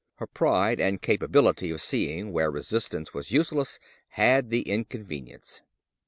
Her pride and capability of seeing where resistance was useless had their convenience.